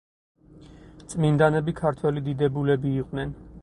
წმინდანები ქართველი დიდებულები იყვნენ.